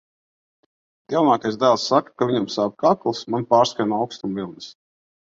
Kad jaunākais dēls saka, ka viņam sāp kakls, man pārskrien aukstuma vilnis.